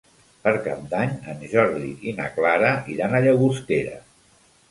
Per Cap d'Any en Jordi i na Clara iran a Llagostera.